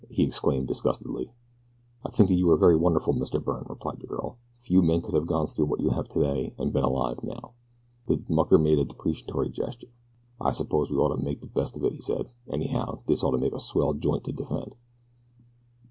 he exclaimed disgustedly. "I think that you are very wonderful, Mr. Byrne," replied the girl. "Few men could have gone through what you have today and been alive now." The mucker made a deprecatory gesture. "I suppose we gotta make de best of it," he said. "Anyhow, dis ought to make a swell joint to defend."